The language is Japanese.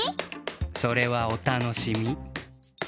それはおたのしみ。